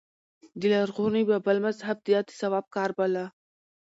د لرغوني بابل مذهب دا د ثواب کار باله